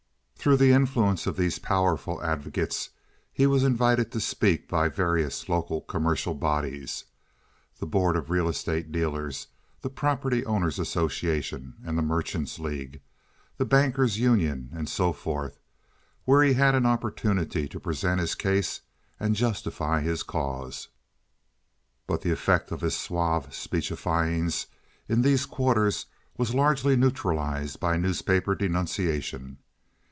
Through the influence of these powerful advocates he was invited to speak before various local commercial bodies—the Board of Real Estate Dealers, the Property Owners' Association, the Merchants' League, the Bankers' Union, and so forth, where he had an opportunity to present his case and justify his cause. But the effect of his suave speechifyings in these quarters was largely neutralized by newspaper denunciation.